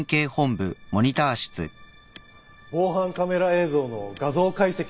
防犯カメラ映像の画像解析をしました。